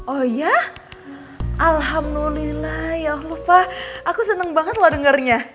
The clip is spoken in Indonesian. oh iya alhamdulillah ya allah pa aku seneng banget lo dengernya